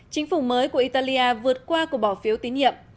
chính phủ mới của italia vượt qua cuộc bỏ phiếu tín nhiệm